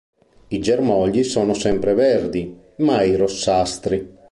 I germogli sono sempre verdi, mai rossastri.